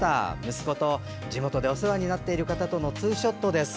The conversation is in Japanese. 息子と地域でお世話になっている方とのツーショットです。